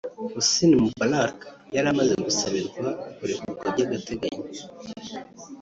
Hosni Moubarak yari amaze gusabirwa kurekurwa by’agateganyo